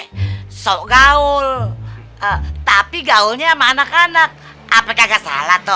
sok gaul tapi gaulnya sama anak anak apakah gak salah toh